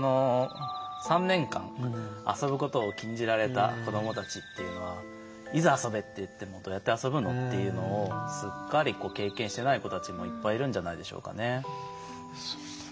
３年間遊ぶことを禁じられた子どもたちというのはいざ遊べといってもどうやって遊ぶのというのをすっかり経験していない子たちもいっぱいいるんじゃないでしょうかね。